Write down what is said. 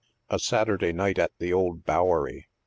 A SATURDAY NIGHT AT THE OLD BOWERY.